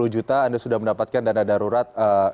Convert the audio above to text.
sepuluh juta anda sudah mendapatkan dana darurat